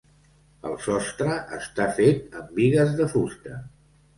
El sostre està fet amb bigues de fusta.